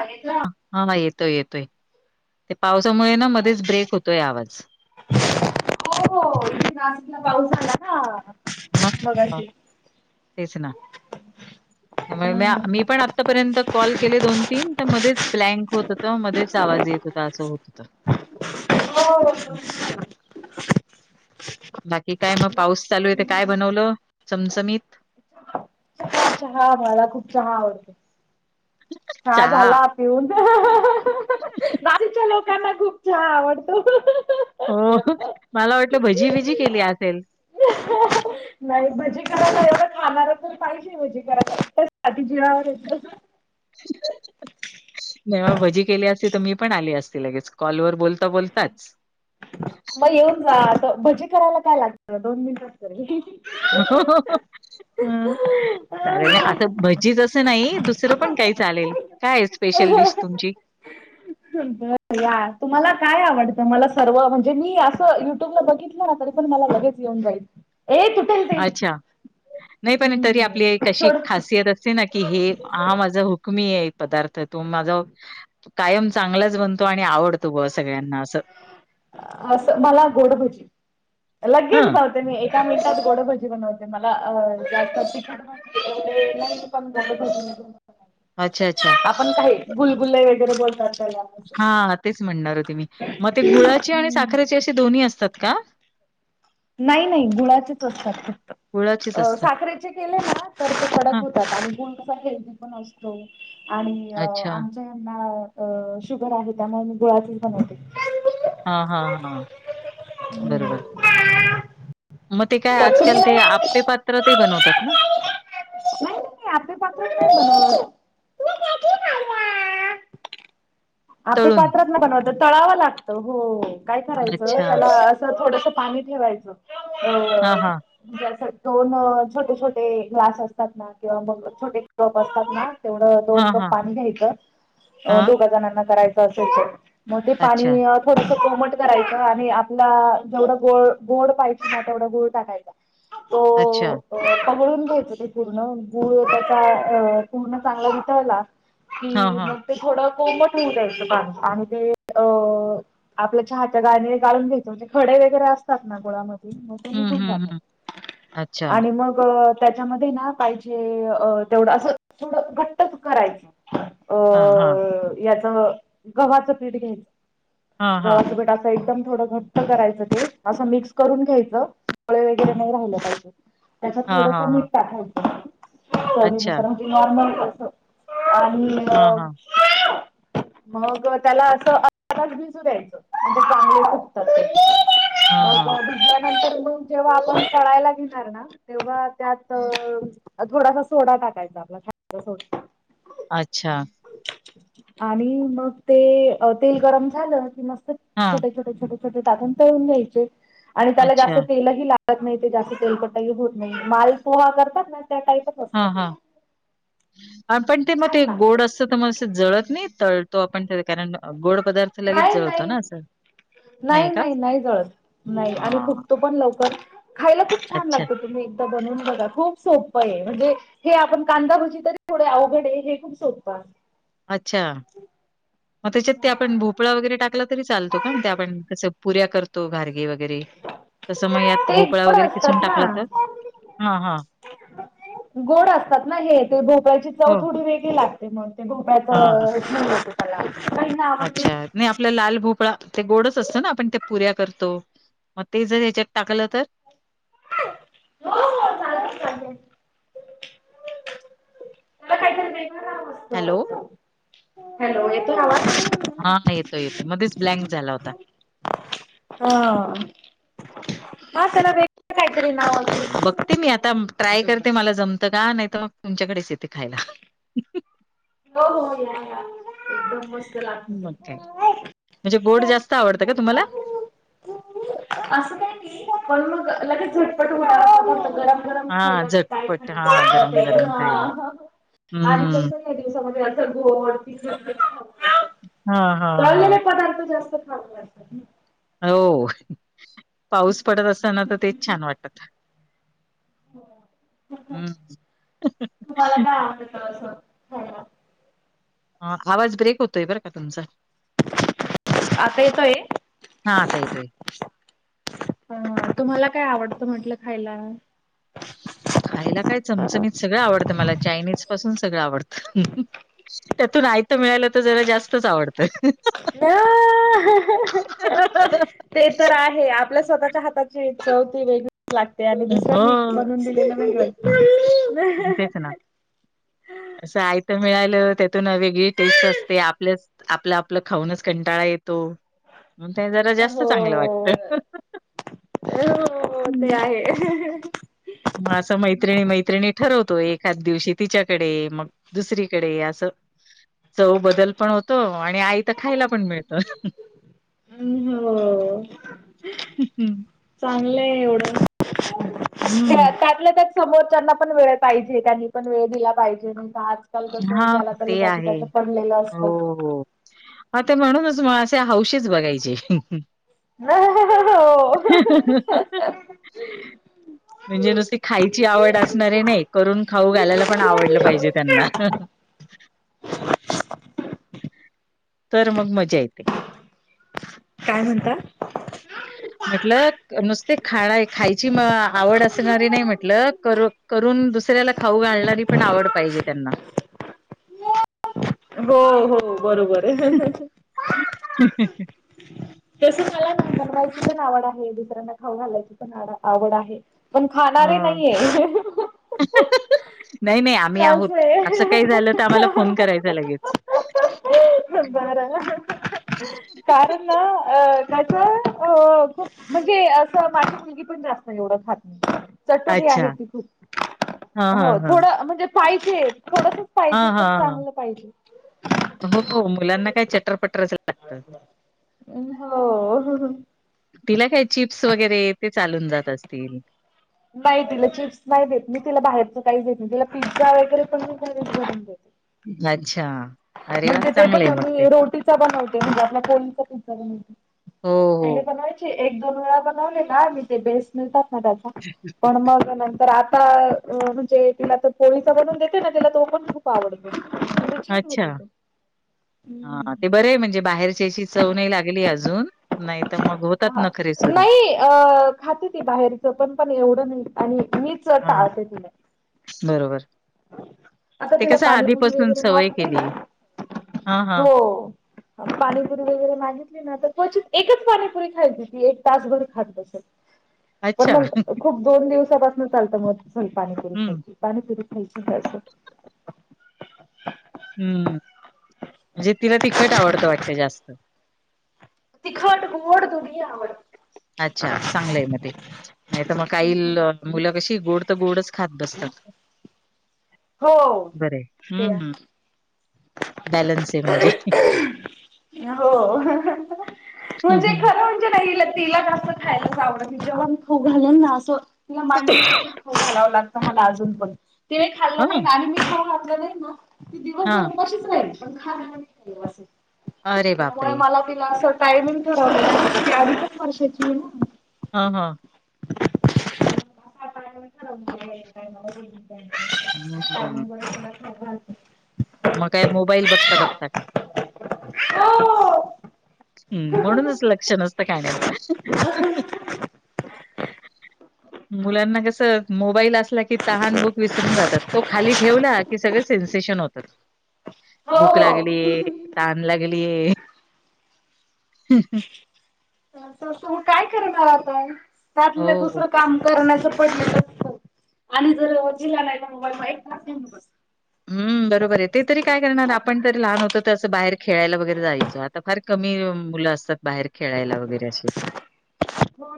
बघितलं हा येतोय येतोय ते पावसामुळे ना मध्येच ब्रेक होतोय आवाज हो इथे नाशिकला पाऊस आला ना हा मगाशी. तेच ना [unintelligible] त्यामुळे म हम्म. मी पण आतापर्यंत कॉल केले दोन तीन तर, मध्येच ब्लँक होत होत मध्येच आवाज येत होता. असं, होत होत. हो [unintelligible] बाकी काय मग, चहा पाऊस चालू आहे ते काय बनवलं चमचमीत. चहा मला, खूप चहा आवडते, चहा झाला पिऊन. का [unintelligible] मला खूप चहा आवडतो. हो, मला वाटलं भजीबिजी केली असेल. नाही, भजी करायला एवढं खाणार तर पाही म्हजे घ साधी जीवावर [unintelligible] नाही भजी केली असती तर, मी पण आली असते लगेच कॉलवर बोलता, बोलताच मग येऊन जा, आता भजी करायला काय लागत दोन मिनिट अस ह [unintelligible] चालेल, आता तरी. भजीच असं नाही दुसरं पण काही चालेल, काय स्पेशल डिश तुमची? ब या तुम्हाला काय आवडतं, मला सर्व म्हणजे मी असं युट्यूबला बघितलं ना तरी पण मला लगेच येऊन जाईल. एकच [unintelligible] अच्छा! नाही पण तरी आपली एक अशी सोड खासियत असते ना की हे हा माझा कु मी ये पदार्थ तो माझा [unintelligible] कायम चांगलाच बनतो आणि आवडतो ब सगळ्यांना असं. असं, मला गोड भजी लगेच हं. बन मी एका मिनिटात गोडभजी बनवते, मला जास्त नाही प [unintelligible] अच्छा! अच्छा! आपण काही, गुलगुलले वगैरे बोलतात त्याला हा तेच म्हणणार होते मी, मग ते गुळाची आणि हम्म साखरेची असे दोन्ही असतात का? नाही, नाही, गुळाचेच असतात फक्त, गुळाचेच अ असतात. साखरे ड हां. होत पण असतो आणि आ अच्छा. [unintelligible] त्यांना शुगर आहे त्यामुळे मी गुळाातीच बनवते. हा, हा, हा हम्म. बरोबर मग ते काय तर आजकाल तुम्ही ते नाही आपे पात्रातही नाही बनवतात ना? नाही, आप्पेपात्रात नाही बनवत. आपे तळून? पात्रात ना य बनवत तळावं लागतं, हो काय करायचं अच्छा. त्याला थोडस पाणी ठेवायचं, अ हां, हां. जस दोन छोटे छोटे ग्लास असतात ना किंवा मग छोटे कप असतात ना तेवढं दोन हां, कप हां. पाणी घ्यायचं, हां. दोघ जणांना करायचं असेल तर. म ते अच्छा, पाणी थोडसं कोमट करायचं आणि आपला जेवढं गोळ गोड पाहिज ना तेवढं गुळ टाकायचा. हो [unintelligible] अच्छा! पगडून घ्यायच ते पूर्ण गूळ त्याचा अ पूर्ण चांगला वितळला हां, कि हां. मग ते थोडं कोमट होऊ दयचं पाणी आणि ते अ आपल्या चहाच्या गाळणीने गाळून घेतो म्हणजे खडे वगैरे असतात ना गुळामध्ये मग ते हं, निघून हं, हं. जातात, अच्छा. आणि मग त्याच्यामध्ये ना पाहिजे तेवढं असं थोडं घट्टच करायचं. अ हा, हा, याच गव्हाचं पीठ घ्यायचं, हां, हां. गव्हाचं पीठ एकदम थोडं घट्ट करायचं ते, असं मिक्स करून घ्यायचं फळे वगैरे नाही राहिलं पाहिजे. त्याच्यात हां, थोडस हां, मीठ हां. टाकायच अच्छा. च नॉर्मल कस आणि हा हा मग त्याला असं आताच भिजू द्यायचं म्हणजे चांगले लागतात ते. हां, हां. मग भिजल्यानंतर म जेव्हा आपण तळायला घेणार ना तेव्हा त्यात थोडासा सोडा टाकायचा आपला ख सोडा. अच्छा. आणि मगं ते तेल गरम झालं की मस्त हां. छोट्ये छोटे छोट छोट दाबून पीळून घ्यायचे आणि त्याला अच्छा. जास्त तेलही लाग गत नाही ते जास्त तेलकटई होत नाही माल पोहा करतात नां त्या टाईपचं- - हांअ हांअ. हां पण ते मग ते छान लागतं. गोड असत तर मग जळत नाही, तळतो आपण कारण गोड पदार्थ लगेचं नाही जळतो नाही नां असं. नाही नाही नाही जळत नाही आणि हां. फूगतो पण लवकर. खायला खूप छान अच्छा. लागतो तुम्ही एकदा बनून बघा खूप सोपं ए म्हणजे हे आपण कांदाभजी तरी थोडे अवघडे हे खूप सोपं. - अच्छा! मगं त्याच्यात ते आपण भोपळा वगैरे टाकला तरी चालतो. ते आपण कस पुऱ्या करतो ना. तो घारगे वगैरे तसं मग यात ते भोपळा गोड वगैरे किसून असतात ना. टाकलां तर. हाअं हाअं गोड असतात नां हे ते भोपाळची चव हो. थोडी वेगळी लागते. मग ते भोपळ्याच होते त्याला. - अच्छां! नाही आपला लाल भोपळा ते गोडचं असतं नां आपण ते पुऱ्या करतो. - मगं ते जर ह्याच्यात टाकलं तर [unintelligible] होवं होव चालते चालेल. - त्याला काहीतरी वेगळं काम हॅलो? असतो हॅलों येतो आवाज. हा येतो येतो मध्येच ब्लँक झाला होता. हाअ मसेला बे कायतरी नाव असते. - ते मी आता ट्राय करते. मला जमतं का नाही तर मग तुमच्याकडेच येते खायला हां. - हों हों या या बसं बसं चला मग काय. लागते म्हणजे गोड जास्त आवडतं का तुम्हाला? [unintelligible] [unintelligible] असं काही नाही पण मग लगेच झटपट होणारा पदार्थ गरम खायला हाआं झटपट हा गरमं गरमं खायला - हम्म्. काही दिवसामध्ये असचं भोवती [unintelligible] दिसय असते. - हां, [inaudible] हां, हां. तळलेले पदार्थ जास्त खात जा. होंव [unintelligible] पाऊस पडत असताना तर तेच छानं! वाटतं. - [inaudible] हं. तुम्हाला काय वाटत असं. हा आवाज ब्रेक होतोयं बरं का तुमचा. आता येतोय [unintelligible] हां, आता येतोय. हं तुम्हाला काय आवडतं म्हंटलं खायला? खायला काय चमचमीतं सगळं आवडतं मला चायनीज पासून सगळं आवडतं. [unintelligible] त्यातून आयत मिळाला तर जरा जास्तचं आवडतं. नाअहहहं. - [unintelligible] ते तर आहेच आपल्या स्वतःच्या हाताची चव ते वेगळीच लागते. ते आणि दुसर्यांनी हो बनवून दिलेलं वेगळंच व मअमी. - तेच नां [inaudible] असं हाय. - ते मिळालं त्यातूनते वेगळी टेस्ट असते, आपलं आपलं खाऊनच कंटाळा येतो. मग ते जरा जास्तचं हो चांगलं वाटत. हो हो हो ते आहे हहहहं. मग असं मैत्रिणी मैत्रिणी ठरवतो, एखाद्या दिवशी तिच्याकडे मगं दुसरीकडे असंअं - चव बदलं पण होतो. आणि आयत खायला पण मिळतं. - हम्ं हमं होवं. ह्ं हम्मं. - चांगलंय एवढं [unintelligible] हं. आपल्या त्यात. - समोरच्यांना पण वेळ पाहिजे, त्यांनी पण वेळ दिला पाहिजे मग आजं. - ल कस हां, ज्याला त ते त्याच आहे. त्याचं पडलेलं असतं ह ते म्हणूनच मला असे हौशीच बघायचे ह हो. म्हणजे नुसती खायची आवड असणारे नाही करून खाऊ घालायला पण आवडलं पाहिजे त्यांना [inaudible] तर मग मजा येते काय म्हणता म्हटल नुसते खा खायची आवड असणारी नाही म्हटल कर करून दुसऱ्याला खाऊ घालणारी पण आवड पाहिजे त्यांना हो हो बरोबर आहे ह तस मलांतवायची पण आवड आहे दुसऱ्यांना खाऊन घालायची पण आवड आहे पण खाणारे हां. नाहीये नाही नाही आम आम्ही असं आहोत आहे असं काही झालं तर आम्हाला फोन करायचा लगेच बारा कारण अ त्याच अ खप म्हणजे अस मा पण जास्त एवढं खात नाही चटोरीी अच्छा. आहे ती खूप हां, हो हां, हां. थोडं म्हणजे पाहिजे थोडस पाहिजे हां, पण हां, हां. चांगलं पाहिजे हो मुलांना काय चटरपटरच लागतं हो तिला काय चिप्स वगैरे ते चालून जात असतील नाही तिला चिप्स नाही देत नाही तिला बाहेरच काही देत नाही तिला पिझ्झा वगैरे पण मी घरी सोून देते अच्छा अरे वाह! म्हणजे ते चांगलं पण आहे आ मग ते. रोटीचा बनवते म्हणजे आपला कोळीचा पिझ्झा बनवते हो हो बयची एक दोन वेळा बनवले का मी ते बेस्ट मिळतात ना त्याचा पण मग तर आता म्हणजे तिला तर पोळीसा बनवून देते ना तिला तो पण खूप आवडत छान होत तो हा ते हम्म. बरं आहे म्हणजे बाहेरच्याशी चव नाहीही लागली अजून नाही तर मग होतात हा. ना खरीे सुरू नाही अ खाते ती बाहेरच पण पण एवढं नाही आणि मीच हां, टाळते तिला बरोबर आता ते तिला कस पाणीपुरी आधीपासून वगैरे सवय मागते ना केली हां, हो हां. पाणीपुरी वगैरे माझ क्वचित एकच पाणीपुरी खायची ती एक तासभर खातस पण अच्छा. मग खूप दोन दिवसापासून चालतं मग पाणी पुरूय हं, पाणी पुर क आहे ब हम्म म्हणजे तिला तिखट आवडतं वाटतं जास्त तिखांड गोड दुनयावरड अच्छा चांगलं आहे मग ते नाही तर मग काईल मुलं कशी गोड तर गोडच खात बसतात हो बर ते हम्म हम् आहे बॅलन्स आहे म्हणजे हो हं, म्हणजे हं. खरं म्हणजे नाही तिला का खायलाच आवडत जेव्हा मी खऊ घालन ना असंि मांडीवरती खालाव लागत मला अजून पण त खाल्लं नाही हं, ना आणि मी खाऊ घातलं नाही ना हां. कच नाही प अरे त्यामुळे बापरे! मला तिला असं टायमिंग ठरवलं अडी पन वर्षाची ना हा हां [inaudible] मंग हं. ख मग काय मोबाईल बघता बघता का हम् म्हणूनच लक्ष नसतं खाण्यात मुलांना कस मोबाईल असला की तहान बुक विसरून जातात तो खाली ठेवला की सगळे सेन्सेशन होत भूक लागली ताण लागली हम हं ो काय करणार आताय त्या आपलंलं हो. दुसरं काम करण्याचं पडलं हो आणि जर व जिला नाही तर मोबाईल म एक फास घ बस हम् बरोबर आहे ते तरी काय करणार आपण जरी लहान होतो तर असं बाहेर खेळायला वगैरे जायचं फार कमी मुलं असतात बाहेर खेळायला वगैरे असे हो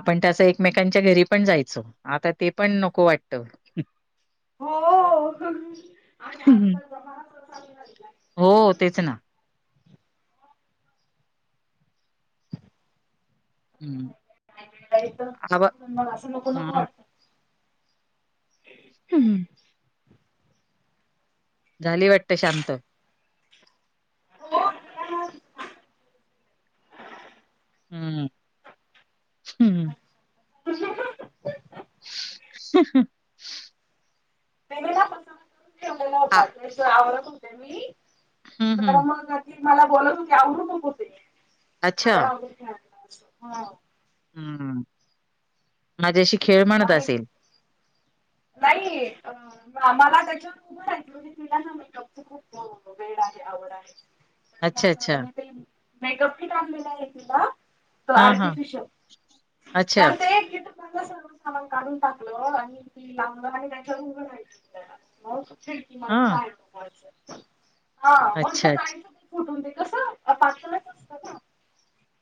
आपण तसं एकमेकांच्या घरी पण जायचो आता ते पण नको वाटत हो आणि हं, हं. आजकाल जमा हो तेच ना हम्म मग असं लोक लक वाटतात हम् हम झाली वाटते शांत हम्म हम्म ह पनला आ आवडत होते मी हं, तर हं. मग मला बोलती आवडत कुते अच्छा. मला रंग हम्म माझ्याशी खेळ म्हणत आणि असेल नाही मला त्याच्यावर उभं राहाचं म्ही तुलाना खूप वेळ आहे आवड आहे अच्छा, अच्छा. म ते मेकअप की टकलेला आहे तला त हां, हां. आर्टिफिशल अच्छा. तर ते एक गी सांग खमा काढून टाकलं आणि ती लांबलं आणि नाही खर उघून शिडकी म हां. मा हा म्हट अच्छा, अच्छा. जायचं फुटून ते कसं पातळच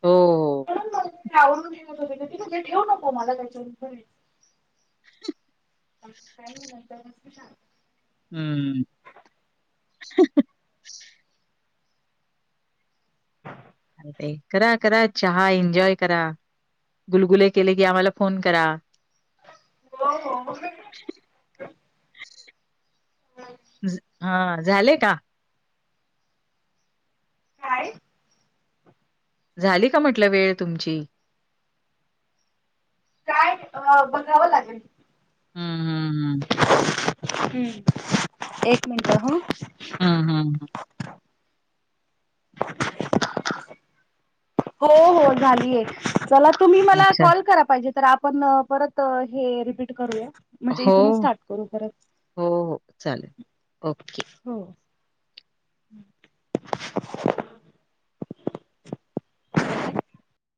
हो हो. म्हूनवरून घ होते तेे ठेऊ नको मला त्याच्यानंत काय म्हलंंत मस्त छान हम्म अ ते करा करा चहा एन्जॉय करा गुलगुले केले की आम्हाला फोन करा हो हा झाले का काय झाली का म्हटलं वेळ तुमची काय बघावं लागेल हम्म हम्म हम्म हम्म एक मिनिट हो हम् हम हम [inaudible] हो हो झालीय चला तुम्ही मला अच्छा. कॉल करा पाहिजे तर आपण परत हे रिपीट करूया. म्हणजे हो, इथूनच स्टार्ट करू खरच हो, हो. चालेल. ओके. हो. चालेत.